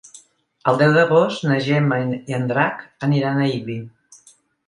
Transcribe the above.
El deu d'agost na Gemma i en Drac aniran a Ibi.